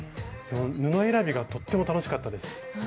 布選びがとっても楽しかったです。